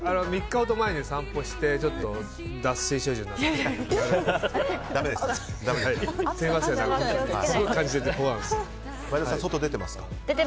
３日ほど前に散歩してちょっと脱水症状になっちゃって。